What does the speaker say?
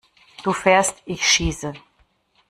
Du fährst, ich schieße!